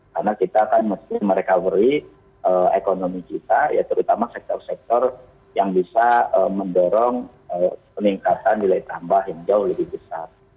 karena kita kan mesti merecovery ekonomi kita terutama sektor sektor yang bisa mendorong peningkatan nilai tambah yang jauh lebih besar